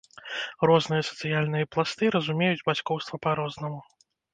Розныя сацыяльныя пласты разумеюць бацькоўства па-рознаму.